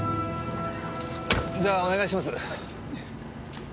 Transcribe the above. じゃあお願いします。